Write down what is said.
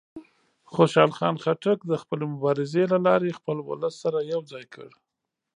خوشحال خان خټک د خپلې مبارزې له لارې خپل ولس سره یو ځای کړ.